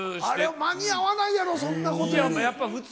あれ、間に合わないやろ、そんなことより。